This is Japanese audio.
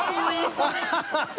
アハハハハ。